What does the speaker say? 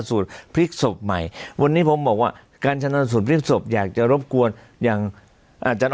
สูตรพลิกศพใหม่วันนี้ผมบอกว่าการชนะสูตรพลิกศพอยากจะรบกวนอย่างอาจารย์